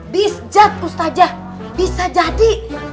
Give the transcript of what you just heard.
bisjad ustazah bisa jadi